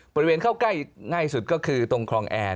บริเวณเข้าใกล้ง่ายสุดก็คือตรงคลองแอร์